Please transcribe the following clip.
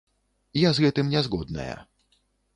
Я з гэтым не згодная.